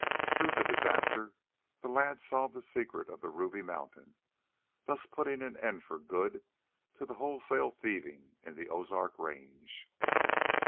Through the disaster, the lads solved the Secret of the Ruby Mountain, thus putting an end for good to the wholesale thieving in the Ozark range.